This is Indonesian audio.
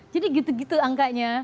jadi gitu gitu angkanya